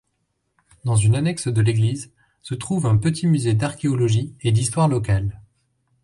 Dans une annexe de l'église se trouve un petit musée d'archéologie et d'histoire locale.